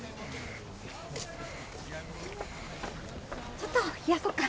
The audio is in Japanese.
ちょっと冷やそっか。